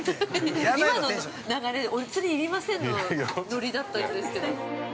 ◆今の流れ、お釣り要りませんのノリだったんですけど。